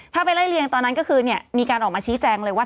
ถ้าไปไล่เรียงตอนนั้นก็คือมีการออกมาชี้แจงเลยว่า